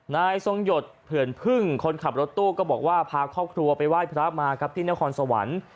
นายทรงหยดเผื่อนพึ่งคนขับรถตู้ก็บอกว่าพาครอบครัวไปไหว้พระมาครับที่นครสวรรค์